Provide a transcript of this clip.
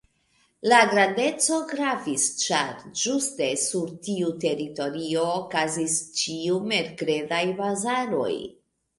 La grandeco gravis, ĉar ĝuste sur tiu teritorio okazis ĉiu-merkredaj bazaroj.